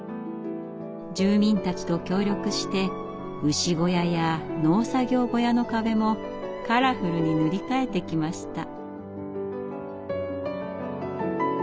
住民たちと協力して牛小屋や農作業小屋の壁もカラフルに塗り替えてきました。